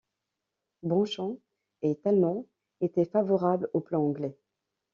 Bonchamps et Talmont étaient favorables au plan anglais.